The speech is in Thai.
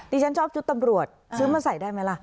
ฉันชอบชุดตำรวจซื้อมาใส่ได้ไหมล่ะ